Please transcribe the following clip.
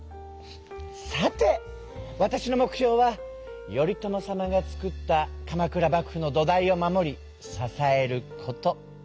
さてわたしの目標は頼朝様が作った鎌倉幕府の土台を守り支えること。